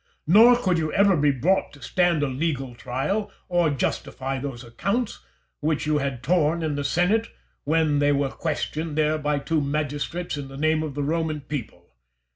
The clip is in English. Nor could you ever be brought to stand a legal trial, or justify those accounts, which you had torn in the senate when they were questioned there by two magistrates in the name of the Roman people.